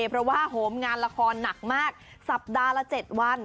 เพราะว่าโหมงานละครหนักมากสัปดาห์ละ๗วัน